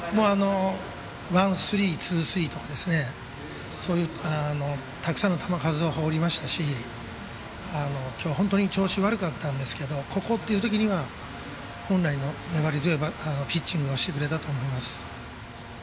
ワンスリーツースリーですとかそういう、たくさんの球数を放りましたし本当に調子悪かったんですけどここというときには本来の粘り強いピッチングをしてくれたと思います。